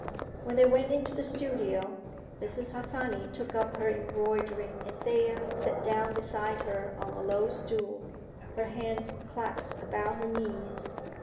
When they went into the studio Mrs. Harsanyi took up her embroidery and Thea sat down beside her on a low stool, her hands clasped about her knees.